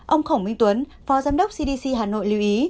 ông khổng minh tuấn phó giám đốc cdc hà nội lưu ý